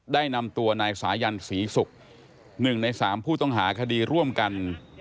ได้นำตัวนายสายันศรีศุกร์๑ใน๓ผู้ต้องหาคดีร่วมกัน